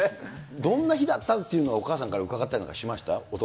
どんな日だったかっていうのは、お母さんから伺ったりしました？